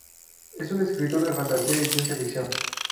Es un escritor de fantasía y ciencia-ficción.